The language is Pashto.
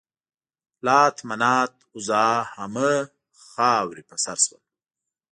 لات، منات، عزا همه خاورې په سر شول.